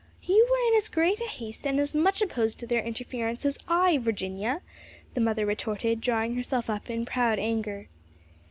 "You were in as great haste and as much opposed to their interference as I, Virginia!" the mother retorted, drawing herself up in proud anger.